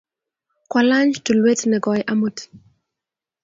Kwalany tulwet ne koi amut